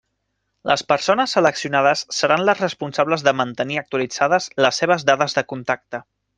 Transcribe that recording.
Les persones seleccionades seran les responsables de mantenir actualitzades les seves dades de contacte.